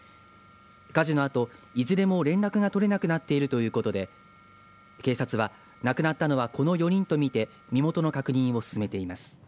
火事のあと、いずれも連絡が取れなくなっているということで警察は亡くなったのは、この４人とみて身元の確認を進めています。